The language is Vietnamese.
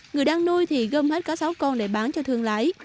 người đang nuôi thì gom hết cá sấu con để bán cho thương lái